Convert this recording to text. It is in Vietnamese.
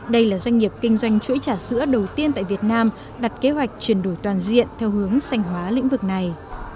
đây là doanh nghiệp kinh doanh chuỗi trà sữa đầu tiên tại việt nam đặt kế hoạch chuyển đổi toàn diện theo hướng xanh hóa lĩnh vực này